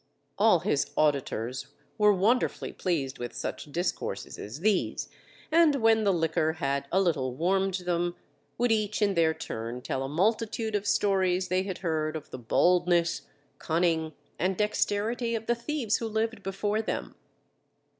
_ All his auditors were wonderfully pleased with such discourses as these, and when the liquor had a little warmed them, would each in their turn tell a multitude of stories they had heard of the boldness, cunning, and dexterity of the thieves who lived before them.